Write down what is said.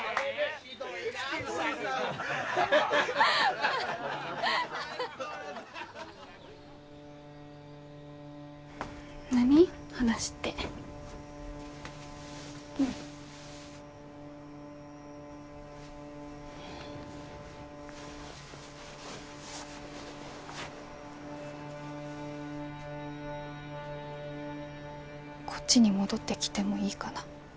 こっちに戻ってきてもいいかな？